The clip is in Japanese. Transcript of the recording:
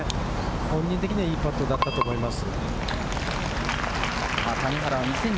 本人的には、いいパットだったと思います。